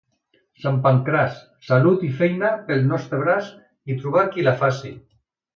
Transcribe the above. Sant Pancraç, salut i feina pel nostre braç, i trobar qui la faci.